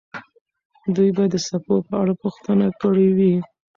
دوی به د څپو په اړه پوښتنه کړې وي.